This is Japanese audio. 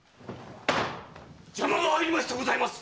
邪魔が入りましてございます。